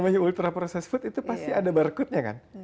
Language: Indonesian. namanya ultra processed food itu pasti ada barcodenya kan